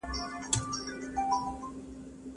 تاسي په خپلو ملګرو کي ډېر محبوب او نېک نومه یاست.